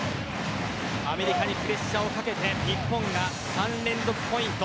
アメリカにプレッシャーをかけて日本が３連続ポイント。